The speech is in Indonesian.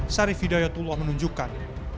syarif hidayatullah menunjukkan